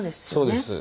そうです。